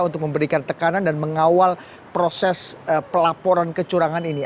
untuk memberikan tekanan dan mengawal proses pelaporan kecurangan ini